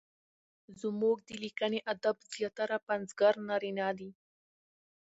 زموږ د ليکني ادب زياتره پنځګر نارينه دي؛